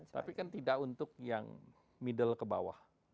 tapi kan tidak untuk yang middle ke bawah